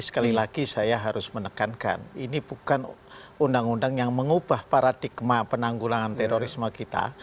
sekali lagi saya harus menekankan ini bukan undang undang yang mengubah paradigma penanggulangan terorisme kita